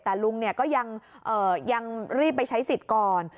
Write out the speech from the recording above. แต่ลุงก็ยังรีบไปใช้สิทธิ์ก่อน